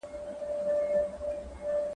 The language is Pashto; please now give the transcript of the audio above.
قتلګاه دپرنګيانو `